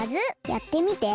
やってみて！